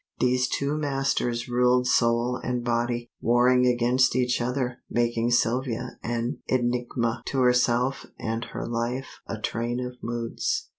These two masters ruled soul and body, warring against each other, making Sylvia an enigma to herself and her life a train of moods.